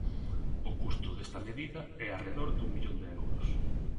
O custo desta medida é arredor dun millón de euros.